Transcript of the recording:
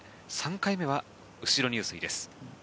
回目は後ろ入水です。